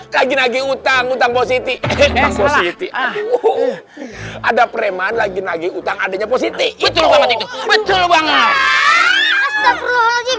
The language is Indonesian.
lagi lagi utang utang positi ada preman lagi lagi utang adanya positi betul itu